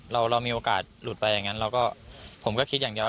เรามีโอกาสหลุดไปอย่างนั้นเราก็ผมก็คิดอย่างเดียว